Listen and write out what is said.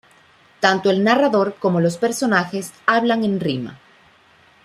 Tanto el narrador como los personajes hablan en rima.